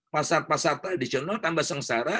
pasar pasar tradisional tambah sengsara